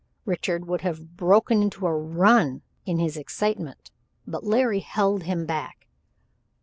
Richard would have broken into a run, in his excitement, but Larry held him back.